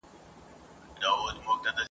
څوک چی خپل کسب پرېږدي دا ور پېښېږي !.